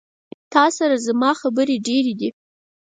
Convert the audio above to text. تا سره زما خبري ډيري دي